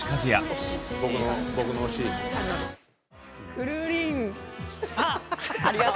くるりんぱ！